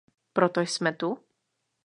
Proto jsme tu?